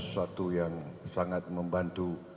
satu yang sangat membantu